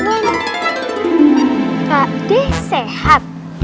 kenapa pak de sehat